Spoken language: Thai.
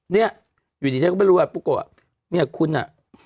เนี่ยอยู่ดีฉันก็ไม่รู้ว่าปุ๊กโกะเนี่ยคุณอ่ะ